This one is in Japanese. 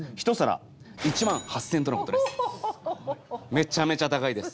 めちゃめちゃ高いです。